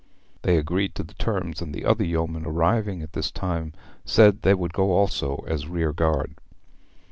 They agreed to the terms, and the other yeomen arriving at this time said they would go also as rearguard.